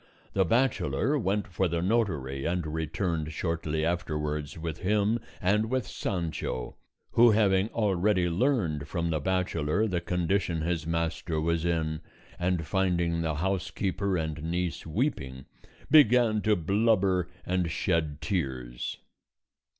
The bachelor went for the notary, and returned shortly afterwards with him and with Sancho, who, having already learned from the bachelor the condition his master was in, and finding the housekeeper and niece weeping, began to blubber and shed tears.